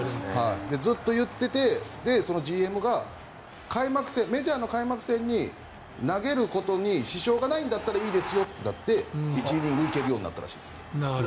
ずっと言っていて、ＧＭがメジャーの開幕戦に投げることに支障がないんだったらいいですよとなって、１イニング行けるようになったらしいです。